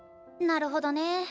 なるほどね。